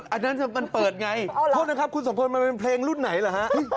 อันนั้นมันเปิดไงโทษนะครับคุณสมพลมันเป็นเพลงรุ่นไหนเหรอฮะ